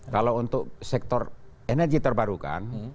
kalau untuk sektor energi terbarukan